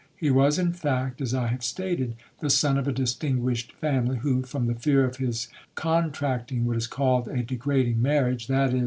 He was, in fact, as I have stated, the son of a distinguished family, who (from the fear of his contracting what is called a degrading marriage, i.e.